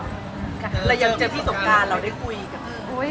เรายังเจอพี่สงการเราได้คุยกับ